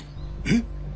えっ？